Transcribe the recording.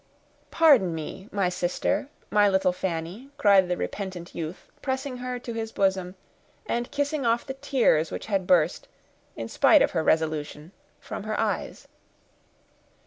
"Pardon me, my sister—my little Fanny," cried the repentant youth, pressing her to his bosom, and kissing off the tears which had burst, spite of her resolution, from her eyes.